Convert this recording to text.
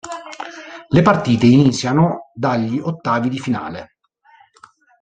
Le partite iniziano dagli ottavi di finale.